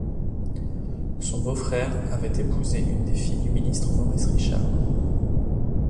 Son beau-frère avait épousé une des filles du ministre Maurice Richard.